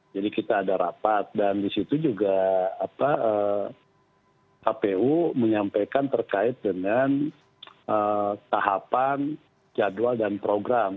jadi kita ada rapat dan disitu juga kpu menyampaikan terkait dengan tahapan jadwal dan program